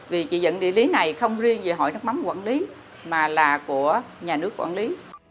vì chỉ dẫn địa lý này không riêng về hội nước mắm quản lý mà là của nhà nước quản lý